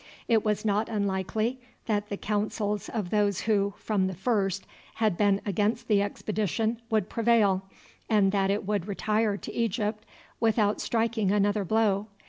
It was not unlikely that the counsels of those who, from the first, had been against the expedition would prevail, and that it would retire to Egypt without striking another blow.